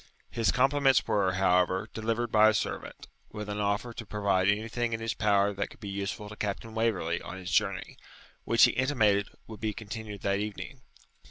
His compliments were, however, delivered by a servant, with an offer to provide anything in his power that could be useful to Captain Waverley on his journey, which he intimated would be continued that evening.